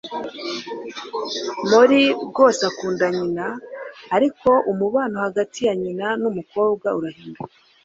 Molly rwose akunda nyina ariko umubano hagati ya nyina numukobwa urahinduka.